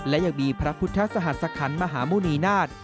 และยังมีพระพุทธสหัสสะขันธ์มหามูลนีนาศ